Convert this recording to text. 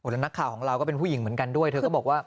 แล้วนักข่าวของเราก็เป็นผู้หญิงเหมือนกันด้วยเธอก็บอกว่า